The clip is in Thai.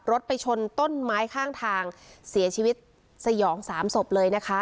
ไปชนต้นไม้ข้างทางเสียชีวิตสยองสามศพเลยนะคะ